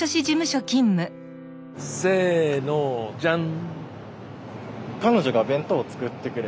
せのじゃん！